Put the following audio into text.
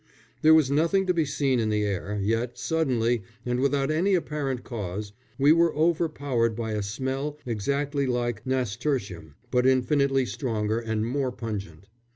There was nothing to be seen in the air, yet suddenly, and without any apparent cause, we were overpowered by a smell exactly like nasturtium, but infinitely stronger and more pungent.